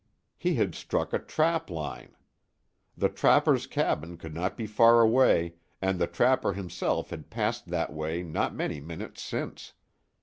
He had struck a trap line. The trapper's cabin could not be far away, and the trapper himself had passed that way not many minutes since.